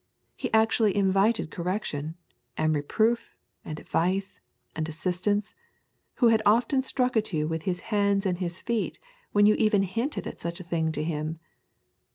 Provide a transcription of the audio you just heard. He actually invited correction, and reproof, and advice, and assistance, who had often struck at you with his hands and his feet when you even hinted at such a thing to him.